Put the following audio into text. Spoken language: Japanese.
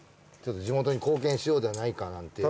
地元に貢献しようではないかなんていう。